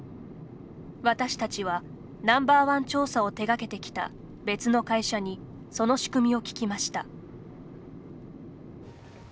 私たちはＮｏ．１調査を手がけてきた別の会社にその仕組みを聞きました。